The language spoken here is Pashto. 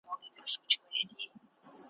او خپل ملي بیرغ پورته کولای نه سي `